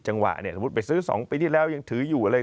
จังหวะเนี่ยสมมุติไปซื้อ๒ปีที่แล้วยังถืออยู่เลย